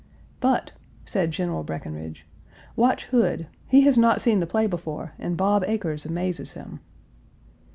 "But," said General Breckinridge, "watch Hood; he has not seen the play before and Bob Acres amazes him."